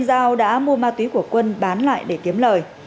giao đã mua ma túy của quân bán lại để kiếm lời